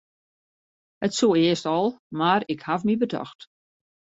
It soe earst al, mar ik haw my betocht.